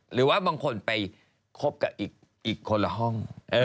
หรือว่าบางคนไปคบกับอีกคนละห้อง